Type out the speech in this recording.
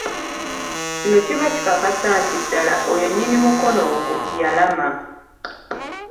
Kino kiba kikakasa nti ddala oyo nnyini mukono ogwo y'alaama.